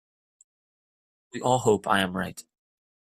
We all hope I am right.